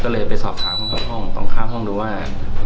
ก็เลยไปสอบถามห้องตรงข้ามห้องดูว่า